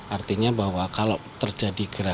artinya bahwa kalau terjadi gerakan